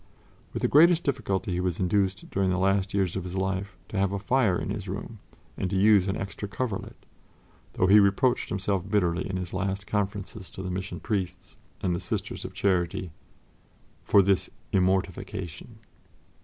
With the greatest difficulty he was induced during the last years of his life to have a fire in his room and to use an extra coverlet, though he reproached himself bitterly in his last conferences to the Mission Priests and the Sisters of Charity "for this immortification."